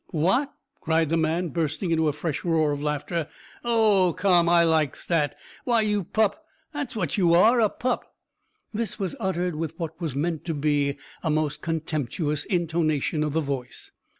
"What?" cried the man, bursting into a fresh roar of laughter. "Oh, come, I likes that. Why, you pup! That's what you are a pup." This was uttered with what was meant to be a most contemptuous intonation of the voice.